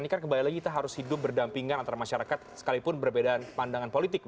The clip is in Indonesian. ini kan kembali lagi kita harus hidup berdampingan antara masyarakat sekalipun berbeda pandangan politik